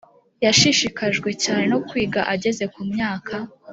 yashishikajwe cyane no kwiga ageze ku myaka